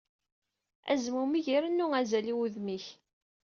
Azmumeg irennu azal i wudem-ik.